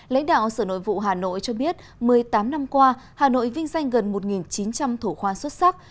lãnh đạo sở nội vụ hà nội cho biết một mươi tám năm qua hà nội vinh danh gần một chín trăm linh thủ khoa xuất sắc